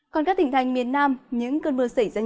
còn các tỉnh thành miền nam những cơn mưa xảy ra